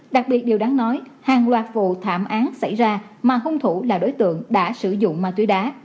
đặc biệt điều đáng nói hàng loạt vụ thảm án xảy ra mà hung thủ là đối tượng đã sử dụng ma túy đá